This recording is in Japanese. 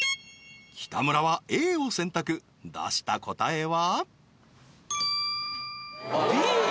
北村はＡを選択出した答えは？